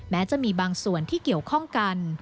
แม้จะมีบางส่วนที่เกี่ยวข้องกัน